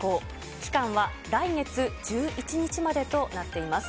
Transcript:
期間は来月１１日までとなっています。